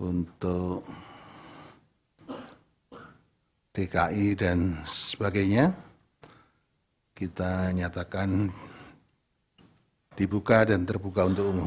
untuk dki dan sebagainya kita nyatakan dibuka dan terbuka untuk umum